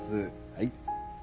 はい。